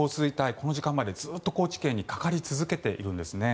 この時間まで、ずっと高知県にかかり続けているんですね。